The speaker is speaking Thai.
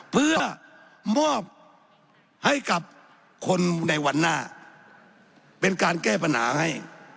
เพื่อมอบให้กับคนในวันหน้าเป็นการแก้ปัญหาให้